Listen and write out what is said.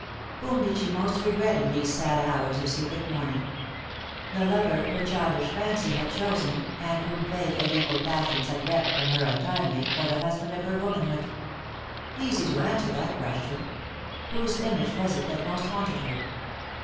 Whom did she most regret in these sad hours of secret mourning? The lover her childish fancy had chosen, and whom Fate and evil passions had reft from her untimely, or •the husband of her womanhood ? Easy to answer that ques tion. "Whose image was it that most haunted her?